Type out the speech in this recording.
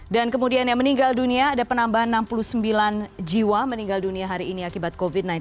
dan kemudian yang meninggal dunia ada penambahan enam puluh sembilan jiwa meninggal dunia hari ini akibat covid sembilan belas